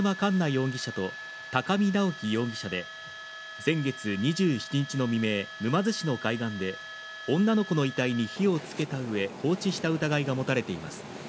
容疑者と高見直樹容疑者で先月２７日の未明沼津市の海岸で女の子の遺体に火をつけた上放置した疑いが持たれています。